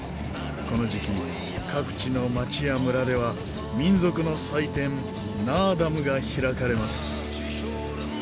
この時期各地の町や村では民族の祭典ナーダムが開かれます。